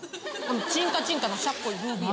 チンカチンカのしゃっこいルービー。